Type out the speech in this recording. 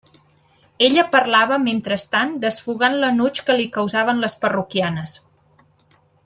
Ella parlava mentrestant, desfogant l'enuig que li causaven les parroquianes.